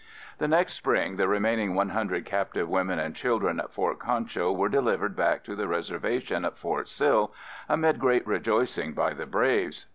The next spring the remaining one hundred captive women and children at Fort Concho were delivered back to the reservation at Fort Sill amid great rejoicing by the braves.